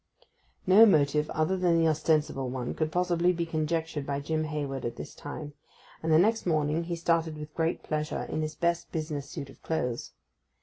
No motive other than the ostensible one could possibly be conjectured by Jim Hayward at this time; and the next morning he started with great pleasure, in his best business suit of clothes.